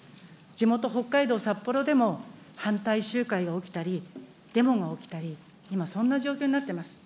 地元、北海道札幌でも反対集会が起きたり、デモが起きたり、今、そんな状況になってます。